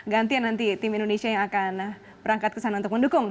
gantian nanti tim indonesia yang akan berangkat ke sana untuk mendukung